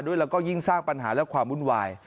แล้วก็ยิ่งสร้างปัญหาและความวุ่นวาย